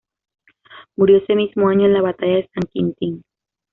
Murió ese mismo año en la Batalla de San Quintín.